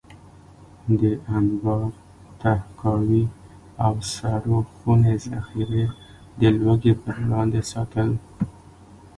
د انبار، تحکاوي او سړو خونې ذخیرې د لوږې پر وړاندې ساتل.